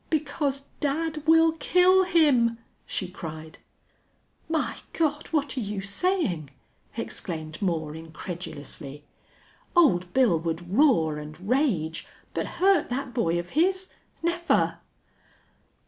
"Because dad will kill him!" she cried. "My God! what are you saying?" exclaimed Moore, incredulously. "Old Bill would roar and rage, but hurt that boy of his never!"